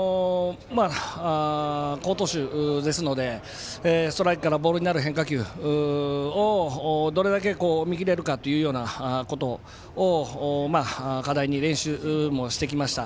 好投手ですのでストライクからボールになる変化球をどれだけ見切れるかというようなことを課題に練習もしてきました。